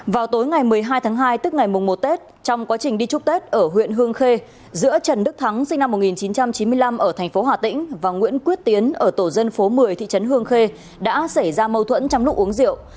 vào tối ngày một mươi hai tháng hai tức ngày một tết trong quá trình đi chúc tết ở huyện hương khê giữa trần đức thắng sinh năm một nghìn chín trăm chín mươi năm ở thành phố hà tĩnh và nguyễn quyết tiến ở tổ dân phố một mươi thị trấn hương khê đã xảy ra mâu thuẫn trong lúc uống rượu